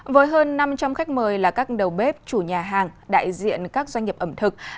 với hơn năm trăm linh khách mời là các đầu bếp chủ nhà hàng đại diện các doanh nghiệp ẩm thực